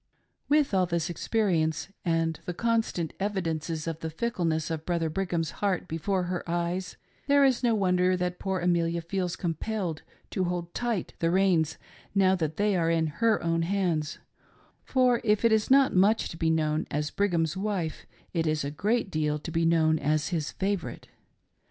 With all this experience, and the constant evidences of the fickleness of Brother Brigham's heart before her eyes, there is no wonder that poor Amelia feels compelled to hold tight the reins, now that they are in her own hands, for, if it is not much to be known as Brigham's wife, it is a great deal to be known as his favorite.